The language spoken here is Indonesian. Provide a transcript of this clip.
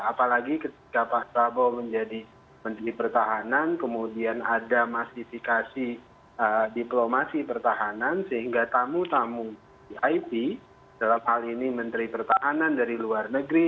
apalagi ketika pak prabowo menjadi menteri pertahanan kemudian ada mastifikasi diplomasi pertahanan sehingga tamu tamu vip dalam hal ini menteri pertahanan dari luar negeri